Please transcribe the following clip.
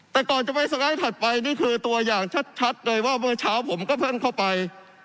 แต่ก่อนจะไปสไลด์ถัดไปนี่คือตัวอย่างชัดเลยว่าเมื่อเช้าผมก็เพิ่งเข้าไป